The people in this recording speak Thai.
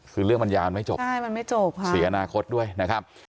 คือเรื่องมันยานไม่จบใช่มันไม่จบค่ะเสียอนาคตด้วยนะครับ